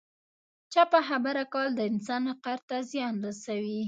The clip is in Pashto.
چپه خبره کول د انسان وقار ته زیان رسوي.